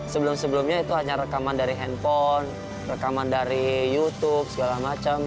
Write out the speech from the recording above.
sebelum sebelumnya itu hanya rekaman dari handphone rekaman dari youtube segala macam